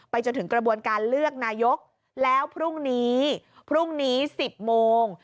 จนถึงกระบวนการเลือกนายกแล้วพรุ่งนี้พรุ่งนี้๑๐โมง